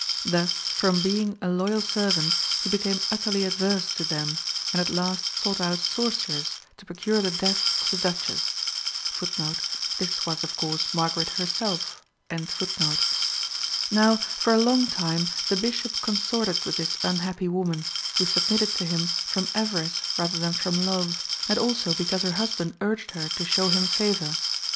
Thus, from being a loyal servant, he became utterly adverse to them, and at last sought out sorcerers to procure the death of the Duchess.(4) Now for a long time the Bishop consorted with this unhappy woman, who submitted to him from avarice rather than from love, and also because her husband urged her to show him favour.